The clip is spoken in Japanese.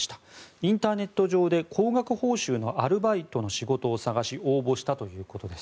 インターネット上で高額報酬のアルバイトの仕事を探し応募したということです。